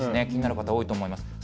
気になる方、多いと思います。